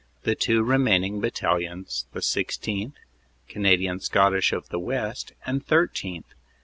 The two remaining battalions, the 16th., Cana dian Scottish of the West, and 13th.